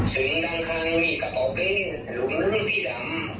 สิงห์ด้านข้างมีกระเป๋าเป้หลุมมุ้งสี่หล่ำ